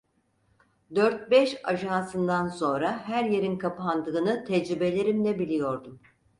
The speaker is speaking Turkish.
Dört beş ajansından sonra her yerin kapandığını tecrübelerimle biliyordum.